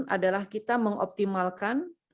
adalah kita mengoptimalkan